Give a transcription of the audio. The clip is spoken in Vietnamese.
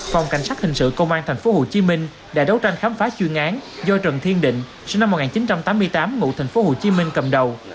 phòng cảnh sát hình sự công an tp hcm đã đấu tranh khám phá chuyên án do trần thiên định sinh năm một nghìn chín trăm tám mươi tám ngụ tp hcm cầm đầu